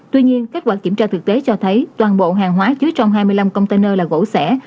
tuy nhiên kết quả kiểm tra thực tế cho thấy toàn bộ hàng hóa chứa trong hai mươi năm container là gỗ sẻ